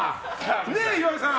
ねえ、岩井さん。